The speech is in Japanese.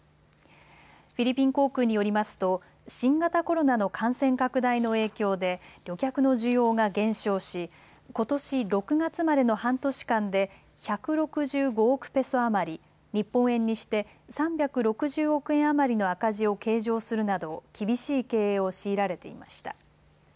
フィリピン航空によりますと新型コロナの感染拡大の影響で旅客の需要が減少しことし６月までの半年間で１６５億ペソ余り、日本円にして３６０億円余りの赤字を計上するなど厳しい経営を強いられていました。